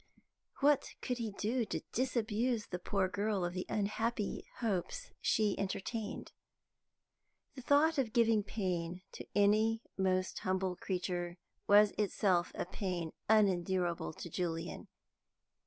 What could he do to disabuse the poor girl of the unhappy hopes she entertained? The thought of giving pain to any most humble creature was itself a pain unendurable to Julian.